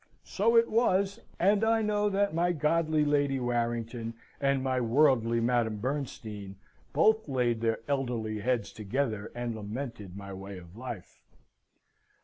So it was, and I know that my godly Lady Warrington and my worldly Madame Bernstein both laid their elderly heads together and lamented my way of life.